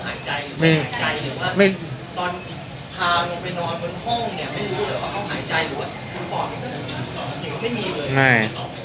สู้ร่าเนี่ยมันมันไม่รู้เลยนะว่ามันหายใจส์